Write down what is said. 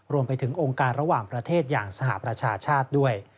รวมไปถึงองค์การระหว่างประเทศอย่างสหประชาชาติด้วย